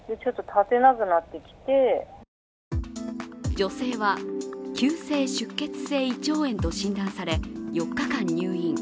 女性は急性出血性胃腸炎と診断され４日間入院。